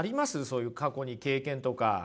そういう過去に経験とか。